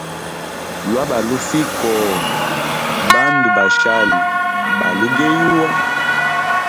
Lwa balufiya koho bandu ba shali balugeyuwa.